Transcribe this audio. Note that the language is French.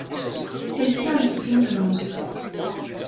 celle-ci en exprime le monstre.